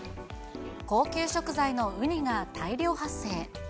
高級食材のウニが大量発生。